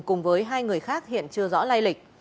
cùng với hai người khác hiện chưa rõ lai lịch